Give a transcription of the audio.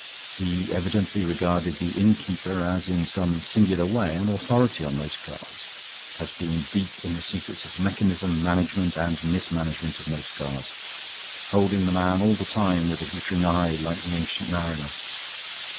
He evidently regarded the innkeeper as in some singular way an authority on motor cars; as being deep in the secrets of the mechanism, management, and mismanagement of motor cars; holding the man all the time with a glittering eye like the Ancient Mariner.